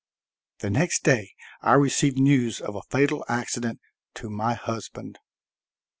The next day I received news of a fatal accident to my husband.